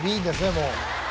もう。